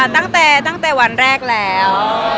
ตั้งแต่วันแรกแล้ว